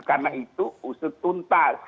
karena itu usut tuntas